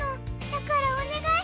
だからおねがい